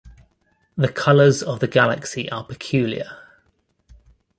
The colors of the galaxy are peculiar.